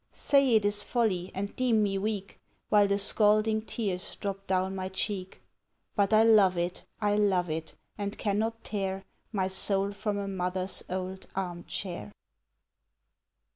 Say it is folly, and deem me weak While the scalding tears drop down my cheek: But I love it, I love it, and cannot tear My soul from a mother's old arm chair.